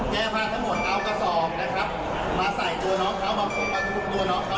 แก้ผ้าทั้งหมดเอากระสอบนะครับมาใส่ตัวน้องเขามาคบกันทุกตัวน้องเขา